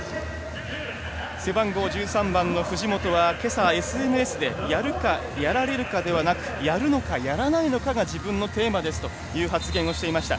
背番号１３番の藤本はＳＮＳでやるかやられるかではなくやるのかやらないのかというのが自分のテーマですと話していました。